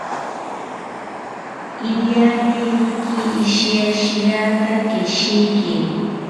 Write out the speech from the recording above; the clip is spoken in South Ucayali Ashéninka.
Irianeriki ishiashiata keshiki